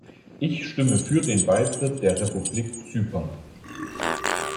Ich stimme für den Beitritt der Republik Zypern.